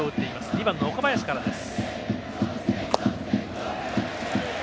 ２番の岡林からです。